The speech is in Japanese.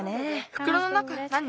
ふくろの中なに？